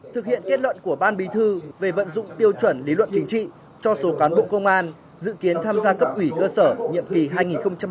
thực hiện kết luận của ban bí thư về vận dụng tiêu chuẩn lý luận chính trị cho số cán bộ công an dự kiến tham gia cấp ủy cơ sở nhiệm kỳ hai nghìn hai mươi hai nghìn hai mươi năm